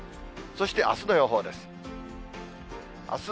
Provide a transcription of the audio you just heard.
そして、あすの予報です。